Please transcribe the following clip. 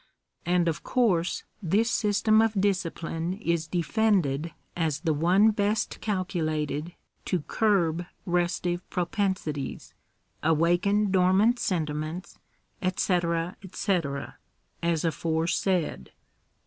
And of course this system of discipline is defended as the one best calculated to curb restive propensities, awaken dormant sentiments, &c, &c., as aforesaid.